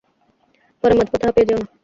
পরে মাঝ পথে হাঁপিয়ে যেও না।